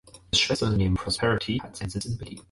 Das Schwesterunternehmen prosperity hat seinen Sitz in Berlin.